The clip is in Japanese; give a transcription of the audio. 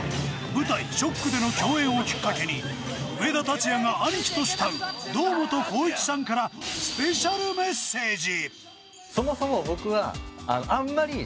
舞台「Ｓｈｏｃｋ」での共演をきっかけに上田竜也が兄貴と慕う堂本光一さんからスペシャルメッセージ。